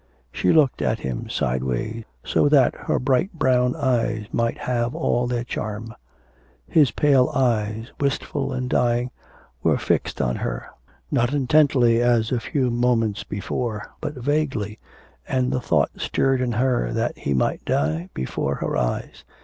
She looked at him sideways, so that her bright brown eyes might have all their charm; his pale eyes, wistful and dying, were fixed on her, not intently as a few moments before, but vaguely, and the thought stirred in her that he might die before her eyes.